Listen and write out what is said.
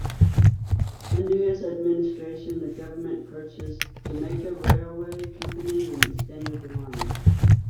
Under his administration, the government purchased Jamaica Railway Company and extended the line.